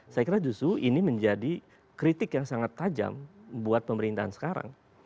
saya kira justru ini menjadi kritik yang sangat tajam buat pemerintahan sekarang